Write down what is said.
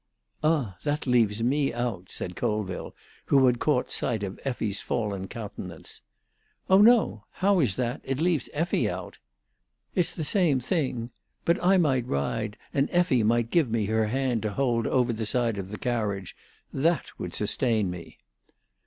"Ah! that leaves me out," said Colville, who had caught sight of Effie's fallen countenance. "Oh no. How is that? It leaves Effie out." "It's the same thing. But I might ride, and Effie might give me her hand to hold over the side of the carriage; that would sustain me."